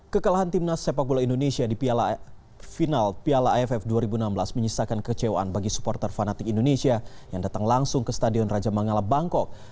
kekalahan timnas sepak bola indonesia di final piala aff dua ribu enam belas menyisakan kecewaan bagi supporter fanatik indonesia yang datang langsung ke stadion raja mangala bangkok